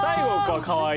はい。